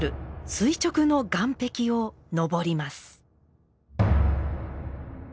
垂直の岩壁を登ります。